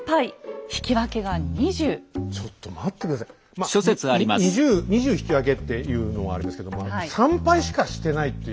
まあ２０引き分けっていうのはありますけど３敗しかしてないっていう。